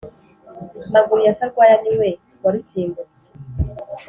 _Maguru ya Sarwaya ni we warusimbutse